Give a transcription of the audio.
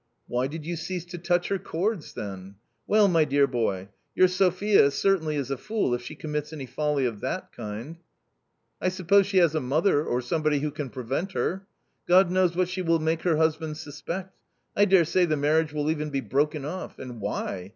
" Why did you cease to touch her chords then ? Well my dear boy, your Sophia certainly is a fool, if she commits any folly of that kind ; I suppose she has a mother, or some body who can prevent her? God knows what she will make her husband suspect; I daresay, the marriage will even be broken off, and why